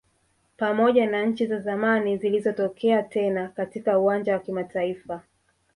Pamoja na nchi za zamani zilizotokea tena katika uwanja wa kimataifa